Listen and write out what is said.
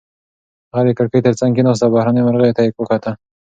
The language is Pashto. هغه د کړکۍ تر څنګ کېناسته او بهرنیو مرغیو ته یې وکتل.